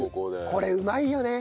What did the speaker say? これうまいよね！